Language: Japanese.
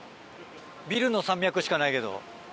ビルの山脈しかないけど。